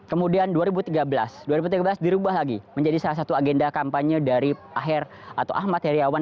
kemudian dua ribu tiga belas dua ribu tiga belas dirubah lagi menjadi salah satu agenda kampanye dari aher atau ahmad heriawan